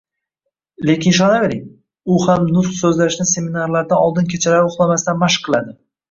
Lekin ishonavering, u ham nutq so’zlashni seminarlardan oldin kechalari uxlamasdan mashq qiladi